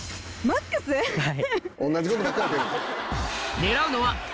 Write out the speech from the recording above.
はい。